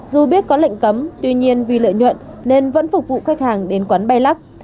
dù biết có lệnh cấm tuy nhiên vì lợi nhuận nên vẫn phục vụ khách hàng đến quán bay lắc